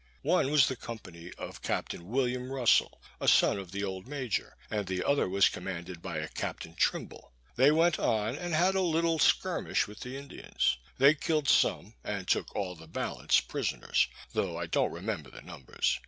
One was the company of Captain William Russell, a son of the old major, and the other was commanded by a Captain Trimble. They went on, and had a little skirmish with the Indians. They killed some, and took all the balance prisoners, though I don't remember the numbers.